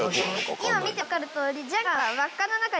今見てわかるとおり。